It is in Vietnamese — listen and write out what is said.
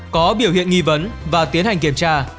có biểu hiện nghi vấn và tiến hành kiểm tra